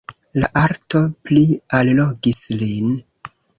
La arto pli allogis lin.